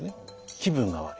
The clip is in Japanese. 気分が悪い。